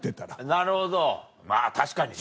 なるほどまぁ確かにね